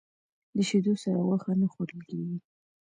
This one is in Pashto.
د شیدو سره غوښه نه خوړل کېږي.